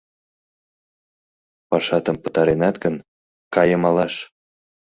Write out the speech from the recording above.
— Пашатым пытаренат гын, кае малаш!